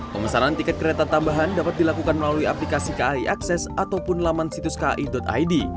pemesanan tiket kereta tambahan dapat dilakukan melalui aplikasi kai akses ataupun laman situs kai id